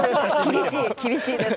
厳しいです。